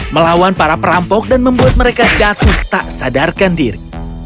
melawan para perampok dan membuat mereka jatuh tak sadarkan diri